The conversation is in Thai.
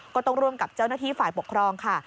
ก็ต้องร่วมกับเจ้าหน้าที่ฝ่ายปกครองค่ะ